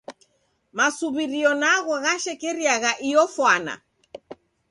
Masuw'irio nagho ghashekeriagha iyo fwana.